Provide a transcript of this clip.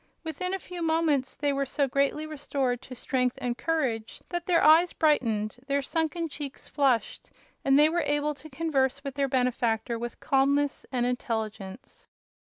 Within a few moments they were so greatly restored to strength and courage that their eyes brightened, their sunken cheeks flushed, and they were able to converse with their benefactor with calmness and intelligence.